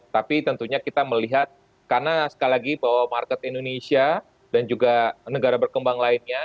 tapi tentunya kita melihat karena sekali lagi bahwa market indonesia dan juga negara berkembang lainnya